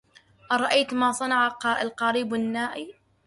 أرأيت ما صنع القريب النائي